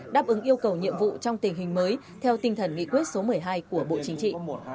đáp ứng yêu cầu nhiệm vụ trong tình hình mới theo tinh thần nghị quyết số một mươi hai của bộ chính trị